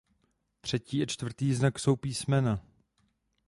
Třetí a čtvrtý znak jsou písmena.